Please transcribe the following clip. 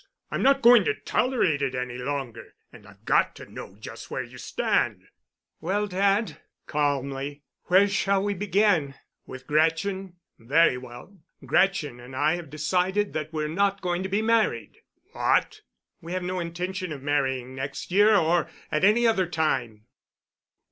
I'm not going to tolerate it any longer, and I've got to know just where you stand." "Well, dad," calmly, "where shall we begin? With Gretchen? Very well. Gretchen and I have decided that we're not going to be married." "What?" "We have no intention of marrying next year or at any other time."